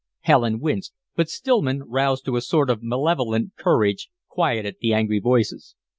Helen winced, but Stillman, roused to a sort of malevolent courage, quieted the angry voices.